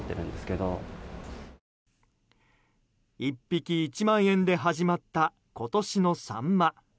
１匹１万円で始まった今年のサンマ。